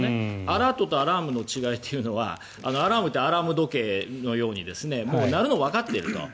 アラートとアラームの違いはアラームってアラーム時計のように鳴るのはわかっていると。